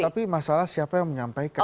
tapi masalah siapa yang menyampaikan